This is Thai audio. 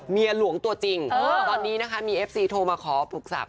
เมียหลวงตัวจริงเออตอนนี้นะคะมีเอฟซีโทรมาขอปรึกษา